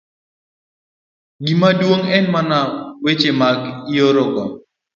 Gima duong' en mana weche ma iorogo